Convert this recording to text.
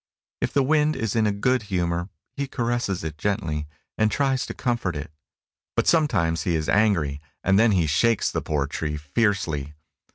If the wind is in a good humor, he caresses it gently, and tries to comfort it; but sometimes he is angry, and then he shakes the poor tree fiercely.